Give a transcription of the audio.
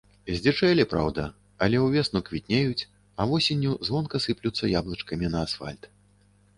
Здзічэлі, праўда, але ўвесну квітнеюць, а восенню звонка сыплюцца яблычкамі на асфальт.